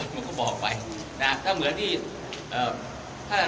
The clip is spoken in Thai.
จากที่หลานัยถามเมื่อเช้า